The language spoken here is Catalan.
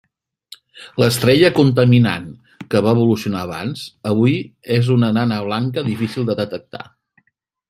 L'estrella contaminant, que va evolucionar abans, avui és una nana blanca difícil de detectar.